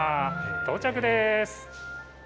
到着です。